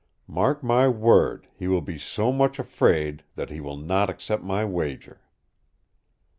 Mark my word, he will be so much afraid that he will not accept my wager!"